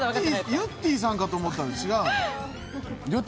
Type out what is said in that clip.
ゆってぃさんかと思ったんです。